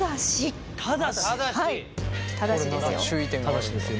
ただしですよ。